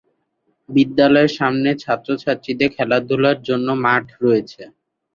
বিদ্যালয়ের সামনে ছাত্র-ছাত্রীদের খেলাধুলার জন্য মাঠ রয়েছে।